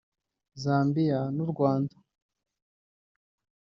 Zambia n’u Rwanda